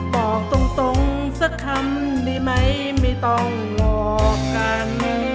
บอกตรงสักคำดีไหมไม่ต้องหลอกกัน